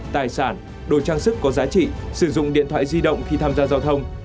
tài sản đồ trang sức có giá trị sử dụng điện thoại di động khi tham gia giao thông